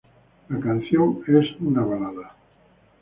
La canción es una balada.